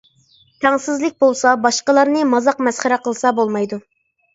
تەڭسىزلىك بولسا، باشقىلارنى مازاق-مەسخىرە قىلسا بولمايدۇ.